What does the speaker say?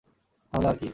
তাহলে আর কী।